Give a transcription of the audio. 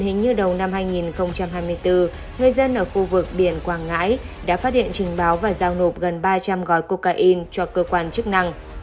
năm hai nghìn hai mươi bốn người dân ở khu vực biển quảng ngãi đã phát hiện trình báo và giao nộp gần ba trăm linh gói cocaine cho cơ quan chức năng